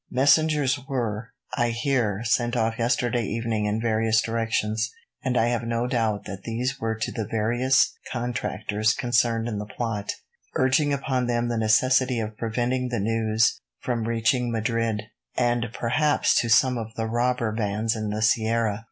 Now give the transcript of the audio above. Messengers were, I hear, sent off yesterday evening in various directions, and I have no doubt that these were to the various contractors concerned in the plot, urging upon them the necessity of preventing the news from reaching Madrid; and perhaps to some of the robber bands in the sierra.